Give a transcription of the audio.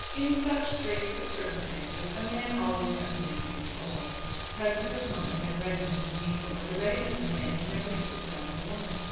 In such straits of circumstances a man always has to do what he is told. Presence of mind and readiness is needful, but the readiness of a man is never equal to that of a woman.